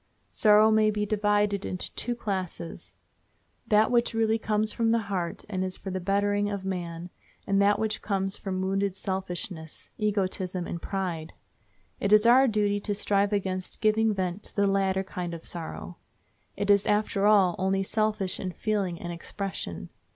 Sorrow may be divided into two classes—that which really comes from the heart and is for the bettering of man, and that which comes from wounded selfishness, egotism, and pride. It is our duty to strive against giving vent to the latter kind of sorrow. It is, after all, only selfish in feeling and expression.